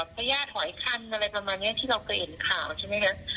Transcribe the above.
พระญาติถอยคันอะไรประมาณนี้ที่เราเคยเห็นข่าวใช่ไหมคะ